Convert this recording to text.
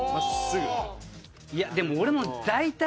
いやでも俺も大体。